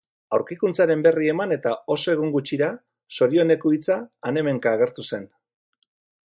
Aurkikuntzaren berri eman eta oso egun gutxira, sorioneku hitza han-hemenka agertu zen